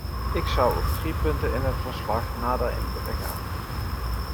Ik zou op drie punten in het verslag nader in willen gaan.